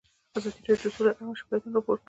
ازادي راډیو د سوله اړوند شکایتونه راپور کړي.